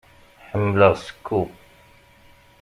Ḥemmleɣ seku.